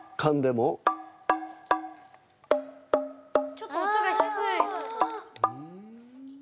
ちょっと音が低い。